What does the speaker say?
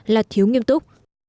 là thiếu nghiêm túc